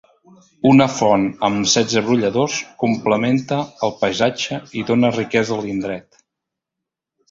Una font, amb setze brolladors, complementa el paisatge i dóna riquesa a l'indret.